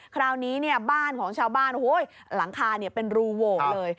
คราวนี้บ้านของชาวบ้านหูยหลังคาเป็นรูโว่เลย